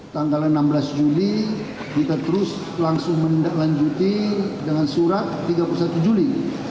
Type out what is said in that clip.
tanggalnya enam belas juli kita terus langsung melanjuti dengan surat tiga puluh satu juli dua ribu sembilan belas